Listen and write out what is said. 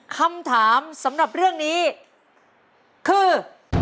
คำถามสำหรับเรื่องนี้คือ